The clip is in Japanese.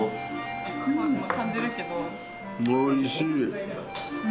おいしい。